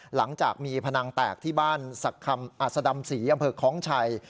หลังจากมีพนังแตกที่บ้านสะดำศรีอำเภอคล้องชัย